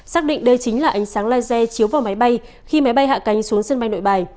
xác định đây chính là ánh sáng lai xe chiếu vào máy bay khi máy bay hạ cánh xuống sân bay nội bài